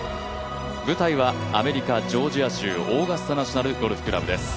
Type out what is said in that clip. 舞台はアメリカ・ジョージア州、オーガスタ・ナショナル・ゴルフクラブです。